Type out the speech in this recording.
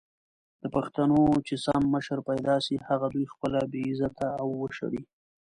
د پښتنو چې سم مشر پېدا سي هغه دوي خپله بې عزته او وشړي!